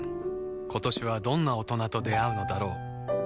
今年はどんな大人と出会うのだろう